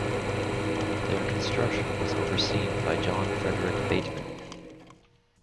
Their construction was overseen by John Frederick Bateman.